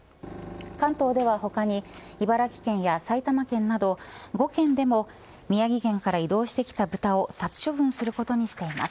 関東では他に茨城県や埼玉県など５県でも宮城県から移動してきた豚を殺処分することにしています。